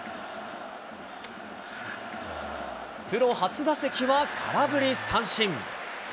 プロ初打席は空振り三振。